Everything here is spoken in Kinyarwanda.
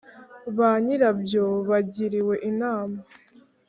ba nyirabyo bagiriwe inama